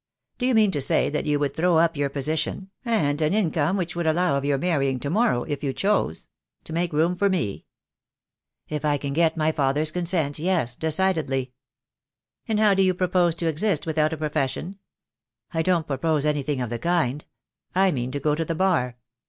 "Do you mean to say that you would throw up your position — and an income which would allow of your mar rying to morrow, if you chose — to make room for me?" I50 THE DAY WILL COME. "If I can get my father's consent, yes, decidedly." "And how do you propose to exist without a pro fession?" "I don't propose anything of the kind. I mean to go to the Bar."